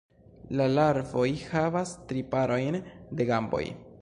La larvoj havas tri parojn de gamboj.